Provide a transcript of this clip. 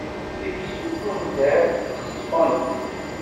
Ikessu tundar xeṣṣfent.